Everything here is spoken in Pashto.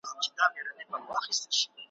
ځلېدل یې د لمر وړانګو کي موجونه ,